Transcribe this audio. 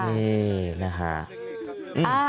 นี่นะฮะ